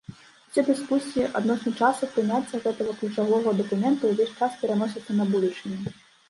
Усе дыскусіі адносна часу прыняцця гэтага ключавога дакумента ўвесь час пераносяцца на будучыню.